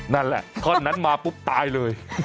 นั่นแหละท่อนนั้นมาปุ๊บตายเลย